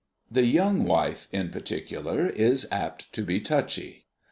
The young wife in particular is apt to be touchy.